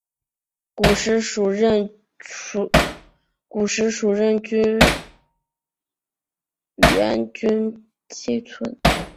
古时属荏原郡衾村。